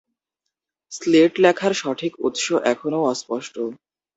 Slate লেখার সঠিক উৎস এখনও অস্পষ্ট।